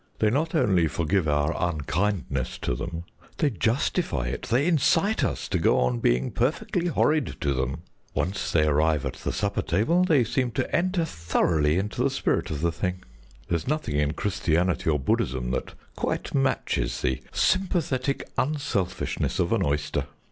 "They not only forgive our unkindness to them; they justify it, they incite us to go on being perfectly horrid to them. Once they arrive at the supper table they seem to enter thoroughly into the spirit of the thing. There's nothing in Christianity or Buddhism that quite matches the sympathetic unselfishness of an oyster.